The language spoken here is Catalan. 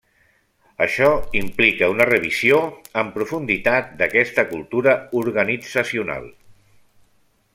Això implica una revisió amb profunditat d'aquesta cultura organitzacional.